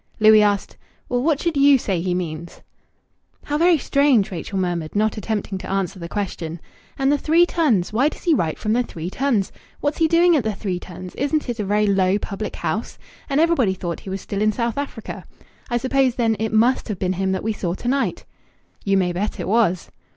Louis asked "Well, what should you say he means?" "How very strange!" Rachel murmured, not attempting to answer the question. "And the 'Three Tuns'! Why does he write from the 'Three Tuns'? What's he doing at the 'Three Tuns'? Isn't it a very low public house? And everybody thought he was still in South Africa!... I suppose, then, it must have been him that we saw to night." "You may bet it was."